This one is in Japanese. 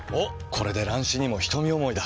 これで乱視にも瞳思いだ。